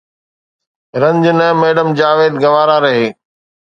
رنج نه ميڊم جاويد گوارا رهي